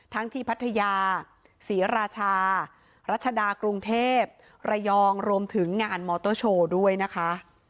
ที่พัทยาศรีราชารัชดากรุงเทพระยองรวมถึงงานมอเตอร์โชว์ด้วยนะคะ